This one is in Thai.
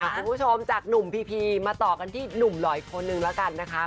คุณผู้ชมจากหนุ่มพีพีมาต่อกันที่หนุ่มหล่ออีกคนนึงแล้วกันนะคะ